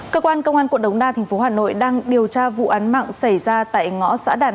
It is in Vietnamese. cơ quan công an quận đồng đa tp hcm đang điều tra vụ án mạng xảy ra tại ngõ xã đàn hai